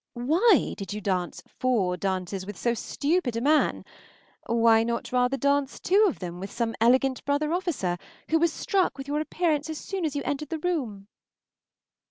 Why did you dance four dances with so stupid a man? Why not rather dance two of them with some elegant brother officer who was struck with your appearance as soon as you entered the room?